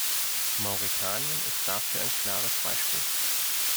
Mauretanien ist dafür ein klares Beispiel.